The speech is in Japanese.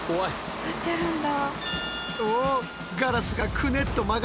そうやってやるんだ。